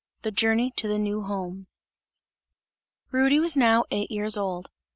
THE JOURNEY TO THE NEW HOME. Rudy was now eight years old.